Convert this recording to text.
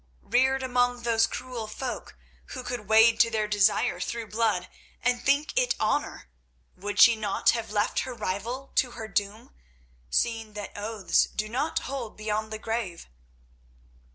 Reared among those cruel folk who could wade to their desire through blood and think it honour, would she not have left her rival to her doom, seeing that oaths do not hold beyond the grave?